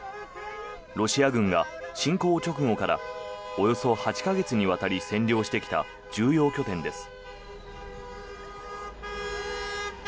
ロシア軍が侵攻直後からおよそ８か月にわたり占領してきた重要拠点です。